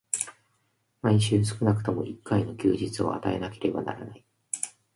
毎週少くとも一回の休日を与えなければならない。